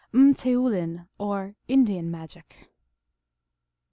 M^teoulin, or Indian Magic.